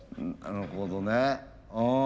なるほどねうん。